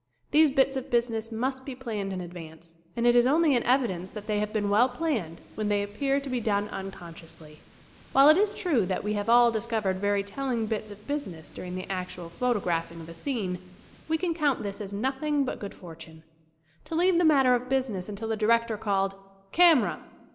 These bits of business must be planned in advance and it is only an evidence that they have been well planned when they appear to be done uncon sciously. While it is true that we have all discovered very telling bits of business during the actual photographing of a scene, we can count this as nothing but good fortune. To leave the matter of business until the director called "Camera